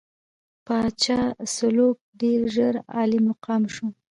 پاچا سلوکو ډېر ژر عالي مقام شو.